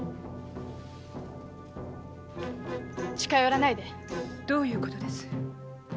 近寄らないでどういうことです？